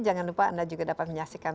jangan lupa anda juga dapat menyaksikan